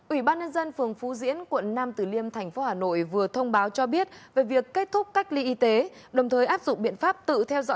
ủy ban nhân dân phường phú diễn quận năm tử liêm tp hà nội vừa thông báo cho biết về việc kết thúc cách dịch vụ ăn uống